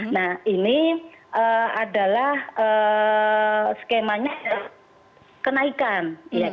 nah ini adalah skemanya kenaikan